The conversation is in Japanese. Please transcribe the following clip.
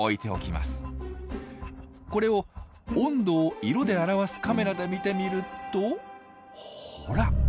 これを温度を色で表すカメラで見てみるとほら。